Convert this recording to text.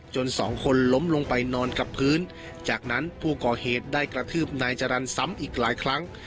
สองคนล้มลงไปนอนกับพื้นจากนั้นผู้ก่อเหตุได้กระทืบนายจรรย์ซ้ำอีกหลายครั้ง